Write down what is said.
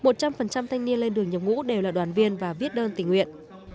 một trăm linh thanh niên lên đường nhập ngũ đều là đoàn viên và viết đơn tình nguyện